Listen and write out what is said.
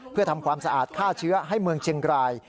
เพื่อทำความสะอาดฆ่าเชื้อให้เมืองเชียงราย